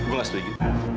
gua gak setuju